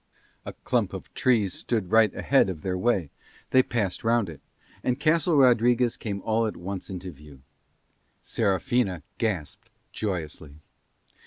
A clump of trees stood right ahead of their way; they passed round it; and Castle Rodriguez came all at once into view. Serafina gasped joyously.